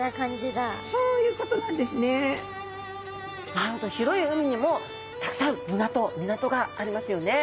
なんと広い海にもたくさん港がありますよね。